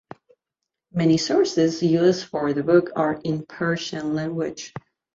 Many sources used for the book are in Persian language.